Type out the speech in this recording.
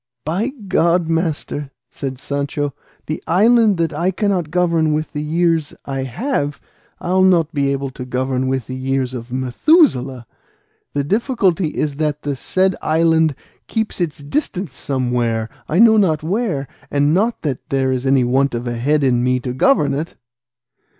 "By God, master," said Sancho, "the island that I cannot govern with the years I have, I'll not be able to govern with the years of Methuselah; the difficulty is that the said island keeps its distance somewhere, I know not where; and not that there is any want of head in me to govern it."